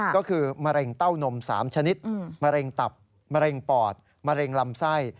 ก็คือมะเร็งเต้านม๓ชนิดมะเร็งตับมะเร็งปอดมะเร็งลำไส้